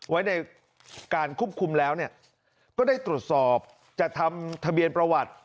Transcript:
ไว้ในการควบคุมแล้วเนี่ยก็ได้ตรวจสอบจะทำทะเบียนประวัติ